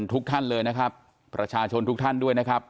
ทุกท่านเลยนะครับประชาชนทุกท่านด้วยนะครับ